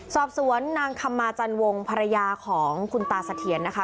สอบสวนนางคำมาจันวงภรรยาของคุณตาเสถียรนะคะ